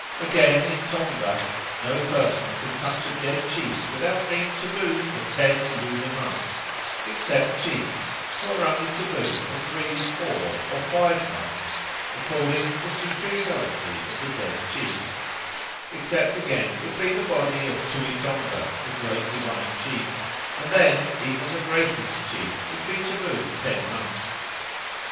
Again, in Tonga, "no person can touch a dead chief without being taboo'd for ten lunar months, except chiefs, who are only taboo'd for three, four, or five months, according to the superiority of the dead chief; except again it be the body of Tooitonga [the great divine chief], and then even the greatest chief would be taboo'd ten months.